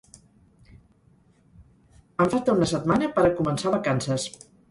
Em falta una setmana per a començar vacances!